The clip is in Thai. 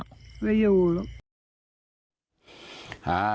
ไม่อยู่